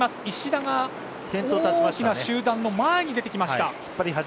石田が大きな集団の前に出てきました。